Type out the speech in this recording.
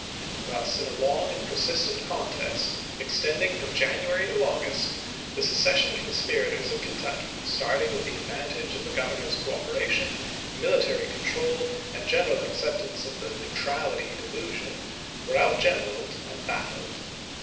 Thus in a long and persistent contest, extending 1861. from January to August, the secession conspira tors of Kentucky, starting with the advantage of the Governor's cooiDeration, military control, and general acceptance of the "neutrality" delusion, were outgeneraled and baffled.